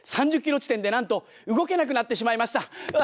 ３０キロ地点でなんと動けなくなってしまいました。